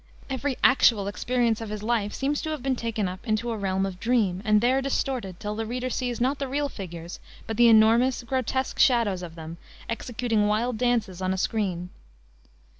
Every actual experience of his life seems to have been taken up into a realm of dream, and there distorted till the reader sees not the real figures, but the enormous, grotesque shadows of them, executing wild dances on a screen.